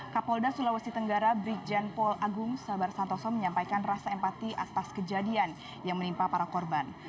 kapolda sulawesi tenggara brigjen paul agung sabar santoso menyampaikan rasa empati atas kejadian yang menimpa para korban